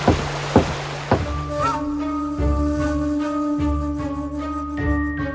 lalu ke rumah si penyihir